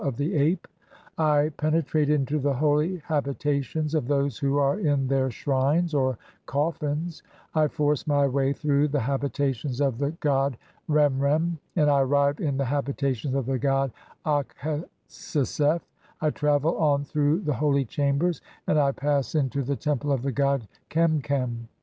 of the Ape. I pene trate into the holy habitations of those who are in [their] shrines u (or coffins), (3) I force my way through the habitations of the "god Remrem, and I arrive in the habitations of the god Akhsesef, "I travel on through the holy chambers, and I pass into the "Temple of the god (4) Kemkem.